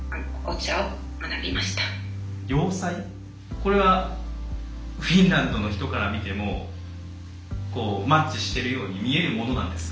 これはフィンランドの人から見てもマッチしてるように見えるものなんですか？